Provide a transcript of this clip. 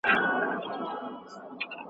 دا هغه فيزیکي چاپېريال دی چي په موږ اغېز کوي.